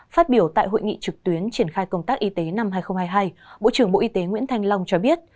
phát biểu tại hội nghị trực tuyến triển khai công tác y tế năm hai nghìn hai mươi hai bộ trưởng bộ y tế nguyễn thanh long cho biết